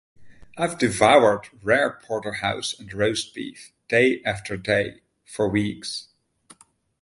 I've devoured rare porterhouse and roast beef day after day for weeks.